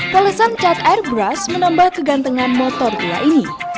kelesan cat airbrush menambah kegantengan motor tua ini